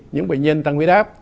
những bệnh nhân tăng huyết táp